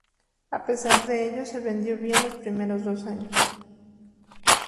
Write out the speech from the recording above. A pesar de ello, se vendió bien los primeros dos años.